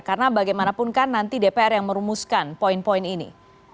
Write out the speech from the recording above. karena bagaimanapun kan nanti dpr yang merumuskan poin poin ini